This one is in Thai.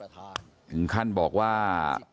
ถึงขั้นบอกว่า